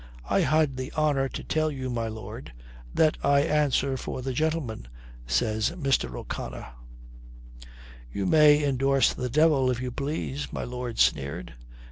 "I had the honour to tell you, my lord, that I answer for the gentleman," says Mr. O'Connor. "You may endorse the devil, if you please," my lord sneered.